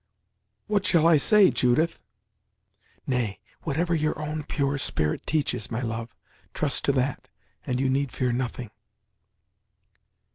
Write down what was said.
"What shall I say, Judith?" "Nay, whatever your own pure spirit teaches, my love. Trust to that, and you need fear nothing."